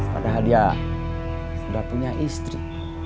padahal dia sudah punya istri